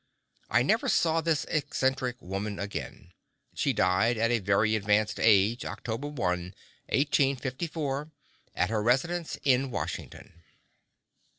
I never saw this eccentric woman again; she died at a very advanced age, October 1, 1854, at her residence in Washington.